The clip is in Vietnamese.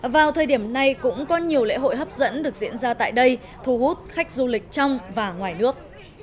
vào thời điểm này cũng có nhiều lễ hội hấp dẫn được diễn ra tại đây thu hút khách du lịch trong và ngoài nước